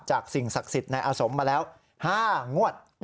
สิ่งศักดิ์สิทธิ์ในอาสมมาแล้ว๕งวด